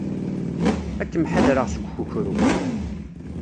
Ad kem-ḥadreɣ seg ukukru.